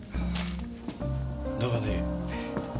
だがね